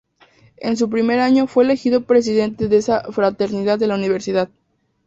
En su primer año fue elegido presidente de esa fraternidad de la universidad.